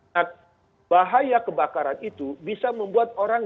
nah bahaya kebakaran itu bisa membuat orang